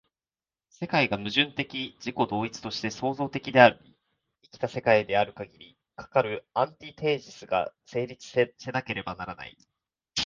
世界が矛盾的自己同一として創造的であり、生きた世界であるかぎり、かかるアンティテージスが成立せなければならない。